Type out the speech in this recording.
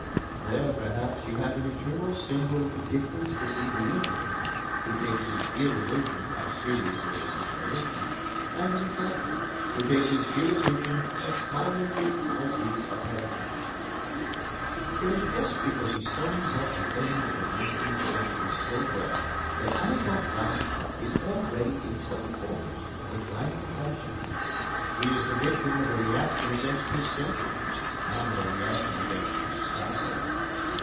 There, perhaps, you have an eternal symbol of the difference between the Englishman, who takes his irreligion as seriously as his religion, and the Frenchman, who takes his irreligion as smilingly as his apéritif. It is just because he sums up the end of the nineteenth century so well that Anatole France is already in some quarters a declining fashion. He is the victim of a reaction against his century, not of a reaction against his style.